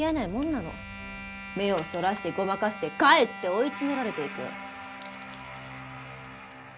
目をそらしてごまかしてかえって追い詰められていく。